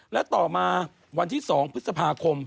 และต่อมาวันที่๒พฤษภาคม